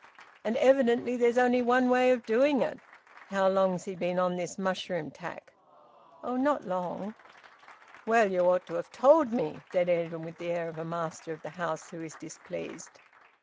"And evidently there's only one way of doing it. How long's he been on this mushroom tack?" "Oh, not long." "Well, you ought to have told me," said Edwin, with the air of a master of the house who is displeased.